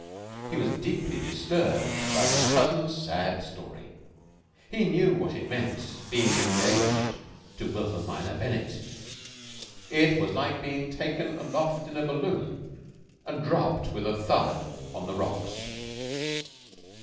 He was deeply disturbed by his cousin's sad story. He knew what it meant being engaged to Wilhelmina Bennett. It was like being taken aloft in a balloon and dropped with a thud on the rocks.